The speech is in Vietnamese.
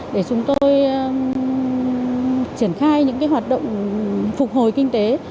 để chúng tôi triển khai những hoạt động phục hồi kinh tế